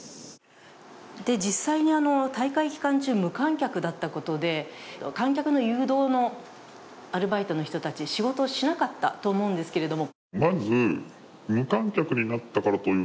実際に大会期間中無観客だったことで、観客の誘導のアルバイトの人たち、仕事しなかったと思うんですけれども。